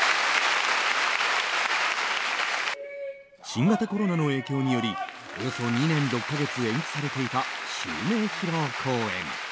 新型コロナの影響によりおよそ２年６か月延期されていた襲名披露公演。